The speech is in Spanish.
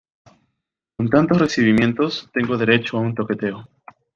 con tantos recibimientos, tengo derecho a un toqueteo.